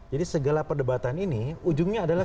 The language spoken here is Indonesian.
jadi segala perdebatan ini ujungnya adalah